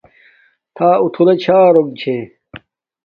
تھݳ اتھُلݺ چھݳرݸݣ دݵک.